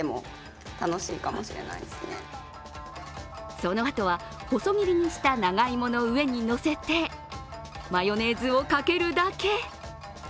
そのあとは細切りにした長芋の上にのせてマヨネーズをかけるだけ。